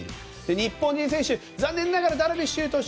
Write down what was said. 日本人選手、残念ながらダルビッシュ有投手